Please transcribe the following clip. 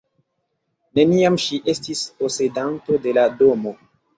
Neniam ŝi estis posedanto de la domo.